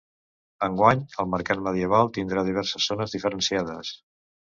Enguany, el mercat medieval tindrà diverses zones diferenciades.